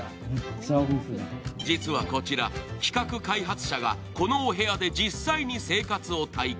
実はこちら、企画開発者がこのお部屋で実際に生活を体験。